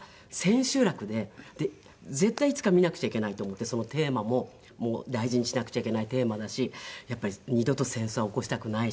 絶対いつか見なくちゃいけないと思ってそのテーマも大事にしなくちゃいけないテーマだしやっぱり二度と戦争は起こしたくないし。